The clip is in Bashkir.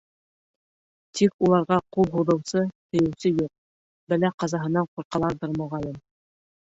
Тик уларға ҡул һуҙыусы, тейеүсе юҡ, бәлә-ҡазаһынан ҡурҡаларҙыр, моғайын.